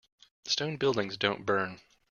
Stone buildings don't burn.